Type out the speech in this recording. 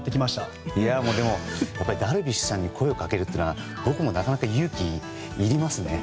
ダルビッシュさんに声をかけるというのはなかなか僕も勇気がいりますね。